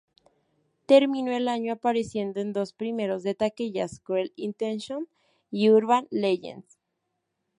Terminó el año apareciendo en dos primeros de taquilla, "Cruel Intentions" y "Urban Legend".